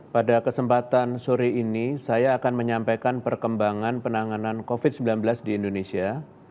pada kesempatan sore ini saya akan menyampaikan perkembangan penanganan covid sembilan belas di indonesia